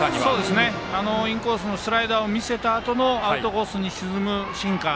インコースのスライダーを見せたあとのアウトコースに沈むシンカー。